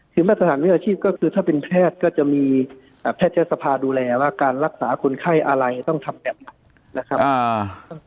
คือมาตรฐานวิชาชีพก็คือถ้าเป็นแพทย์ก็จะมีแพทยศภาดูแลว่าการรักษาคนไข้อะไรต้องทำแบบไหนนะครับ